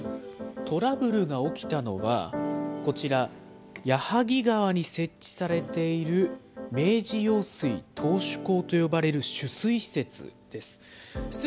トラブルが起きたのは、こちら、矢作川に設置されている、明治用水頭首工と呼ばれる取水施設です。